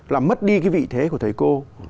là mất đi cái vị thế của thầy cô